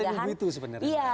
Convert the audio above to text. tadi kita menunggu itu sebenarnya